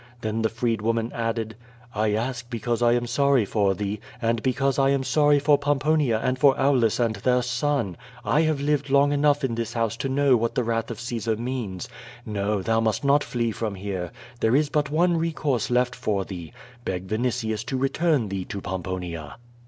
Then the freed woman added: "I ask because I am sorry for thee, and because I am sorry for Pomponia and for Aulus and their son. I have lived long enough in this house to know what the wrath of Caesar QUO VADI8. 75 means. No, thou must not flee from here. There is but one recourse left for thee. Beg Vinitius to return thee to Pom ponia.'